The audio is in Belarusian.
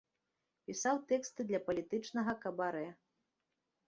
Пісаў тэксты для палітычнага кабарэ.